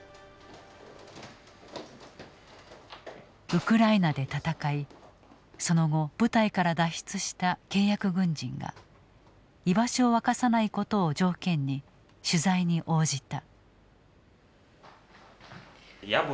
ウクライナで戦いその後部隊から脱出した契約軍人が居場所を明かさないことを条件に取材に応じた。